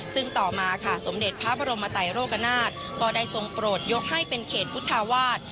ซึ่งต่อมาค่ะสมเด็จพระบรมไตโรกนาฏก็ได้ทรงโปรดยกให้เป็นเขตพุทธาวาส